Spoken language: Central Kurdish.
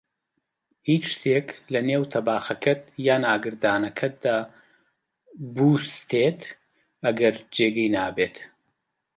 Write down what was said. هیچ شتێک لەنێو تەباخەکەت یان ئاگردانەکەت دا بووستێت، ئەگەر جێگەی نابێت